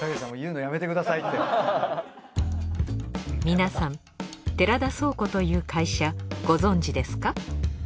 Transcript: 皆さん寺田倉庫という会社ご存じですか？